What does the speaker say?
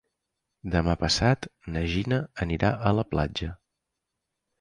Demà passat na Gina anirà a la platja.